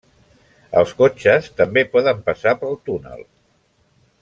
Els cotxes també poden passar pel túnel.